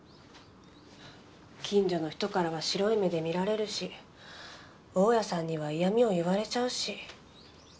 近所の人からは白い目で見られるし大家さんには嫌みを言われちゃうし。